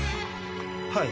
はい。